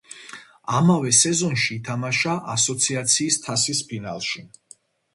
ამავე სეზონში ითამაშა ასოციაციის თასის ფინალში.